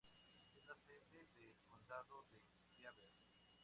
Es la Sede del condado de Beaver.